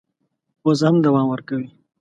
اوس هم دوام ورکوي.